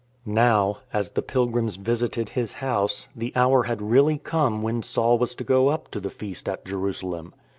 Now, as the pilgrims visited his house, the hour had really come when Saul was to go up to the Feast at 46 IN TRAINING Jerusalem.